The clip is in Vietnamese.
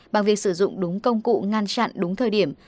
bằng việc sử dụng đúng công cụ ngăn chặn đúng thời điểm